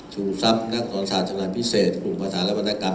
ชูซัพนักศรศาสตร์ชำนาญพิเศษกลุ่มภาษาและวันนะกรรม